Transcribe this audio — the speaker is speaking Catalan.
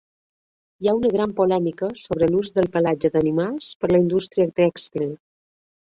Hi ha una gran polèmica sobre l'ús del pelatge d'animals per la indústria tèxtil.